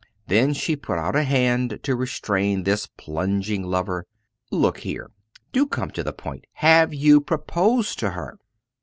Then she put out a hand to restrain this plunging lover. "Look here do come to the point have you proposed to her?"